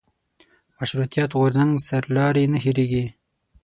مشروطیت غورځنګ سرلاري نه هېرېږي.